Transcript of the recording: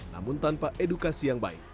namun tanpa edukasi yang baik